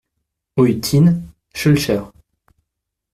Rue Thine, Schœlcher